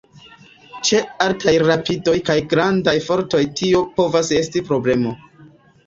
Ĉe altaj rapidoj kaj grandaj fortoj tio povas esti problemo.